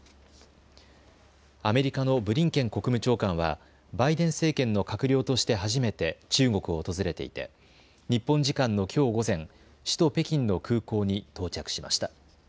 アメリカのブリンケン国務長官はバイデン政権の閣僚として初めて中国を訪れていて日本時間のきょう午前、首都・北京の空港に到着しました。